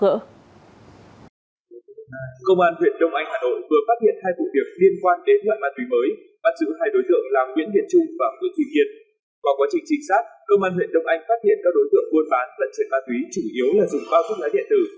công an huyện đông anh hà nội vừa phát hiện